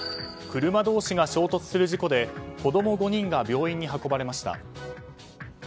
車同士が衝突する事故で子供５人が病院に運ばれました。